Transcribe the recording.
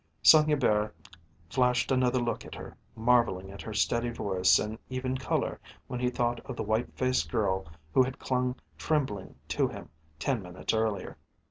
Saint Hubert flashed another look at her, marvelling at her steady voice and even colour when he thought of the white faced girl who had clung trembling to him ten minutes earlier.